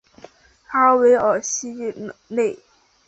拉韦尔西内。